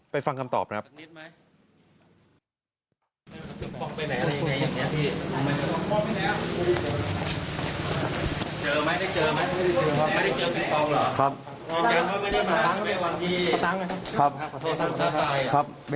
ไปฟังคำตอบนะครับ